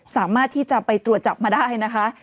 สามารถที่จะไปตรวจจับมาได้นะคะ